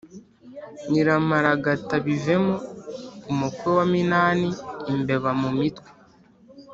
Nyiramparagatabivemo umukwe wa Minani-Imbeba mu mwite.